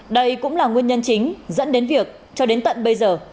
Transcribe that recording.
đây cũng là nguyên nhân chính dẫn đến việc cho đến tận bây giờ